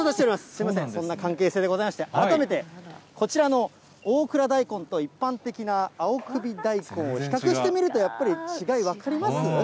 すみません、そんな関係性でございまして、改めて、こちらの大蔵大根と一般的な青首大根を比較してみると、やっぱり違い、分かります？